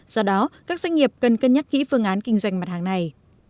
do đó các doanh nghiệp cần cân nhắc kỹ phương án kinh doanh mặt hàng này